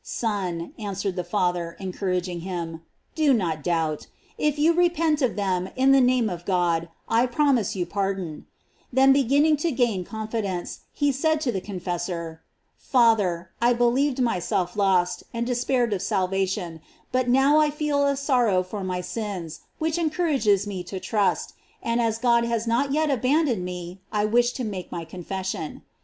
"Son," answered the father, encouraging him, "do not doubt: if you repent of them, in the name of God I promise you pardon /' Then beginning to gain confidence, he said to the confessor: "Father, I believed myself lost, and despaired of salvation ; but new I feel a sorrow for my sins, which encourages me to trust; and as God has not yet abandoned me, I wish to make my confession."